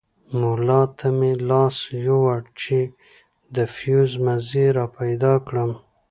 ملا ته مې لاس يووړ چې د فيوز مزي راپيدا کړم.